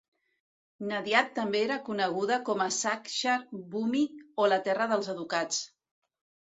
Nadiad també era coneguda com a "Sakshar Bhumi", o la Terra dels educats.